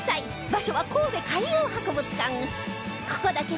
場所は神戸海洋博物館